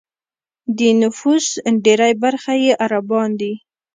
د نفوس ډېری برخه یې عربان دي.